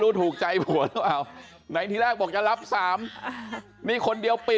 ดูท่าทางฝ่ายภรรยาหลวงประธานบริษัทจะมีความสุขที่สุดเลยนะเนี่ย